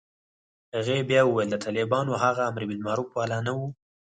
هغې بيا وويل د طالبانو هغه امربالمعروف والا نه و.